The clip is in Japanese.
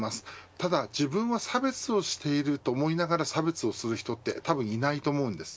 ただ自分は差別をしていると思いながら差別をする人ってたぶんいないと思います。